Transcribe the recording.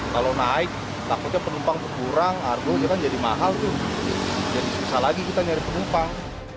kalau naik takutnya penumpang berkurang argo ini kan jadi mahal tuh jadi susah lagi kita nyari penumpang